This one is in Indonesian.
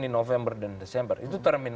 di november dan desember itu termin